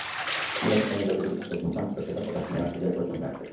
নিরাপত্তা নিয়ে যতই ভীতি থাকুক, মুখে অন্তত সেটির প্রকাশ নেই অস্ট্রেলিয়ার কোচ-অধিনায়কের।